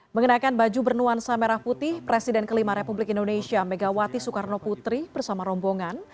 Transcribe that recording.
mengenakan baju bernuansa merah putih presiden kelima republik indonesia megawati soekarno putri bersama rombongan